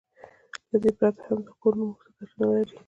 له دې پرته هم دا کور نور موږ ته ګټه نه لري.